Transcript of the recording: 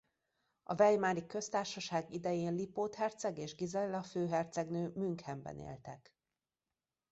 A weimari köztársaság idején Lipót herceg és Gizella főhercegnő Münchenben éltek.